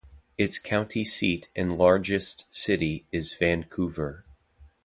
Its county seat and largest city is Vancouver.